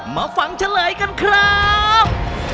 มาฟังเฉลยกันครับ